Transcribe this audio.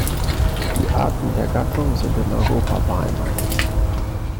Die Arten der Gattung sind in Europa beheimatet.